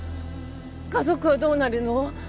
家族はどうなるの？